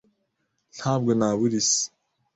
Ntabwo nabura isi.